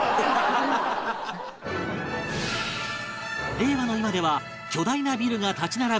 令和の今では巨大なビルが立ち並ぶ